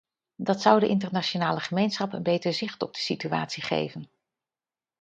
Dat zou de internationale gemeenschap een beter zicht op de situatie geven.